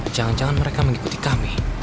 jangan jangan mereka mengikuti kami